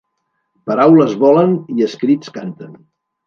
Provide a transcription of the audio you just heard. Paraules volen i escrits canten.